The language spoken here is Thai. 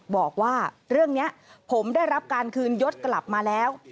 บอกว่าเรื่องนี้ผมได้รับการคืนยศกลับมาแล้ว